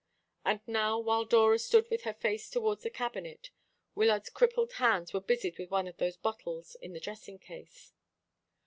And now, while Dora stood with her face towards the cabinet, Wyllard's crippled hands were busied with one of those bottles in the dressing case.